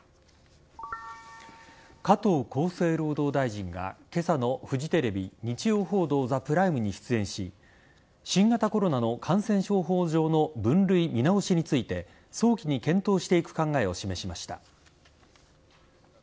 加藤厚生労働大臣が今朝のフジテレビ「日曜報道ＴＨＥＰＲＩＭＥ」に出演し新型コロナの感染症法上の分類見直しについて早期に検討していく考えを示しました。